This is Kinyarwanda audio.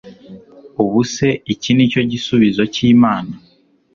ubwo se iki nicyo gisubizo cy'imana